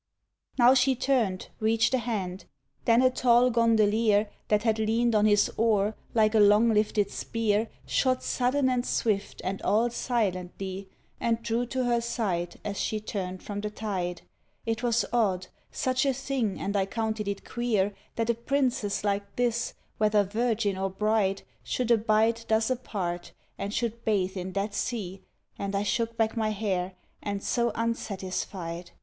Now she turned, reached a hand; then a tall gondolier That had leaned on his oar, like a long lifted spear, Shot sudden and swift and all silently And drew to her side as she turned from the tide. .. It was odd, such a thing, and I counted it queer That a princess like this, whether virgin or bride, Should abide thus apart, and should bathe in that sea; And I shook back my hair, and so unsatisfied.